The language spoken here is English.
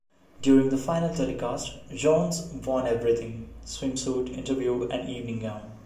During the final telecast, Jones won everything: swimsuit, interview and evening gown.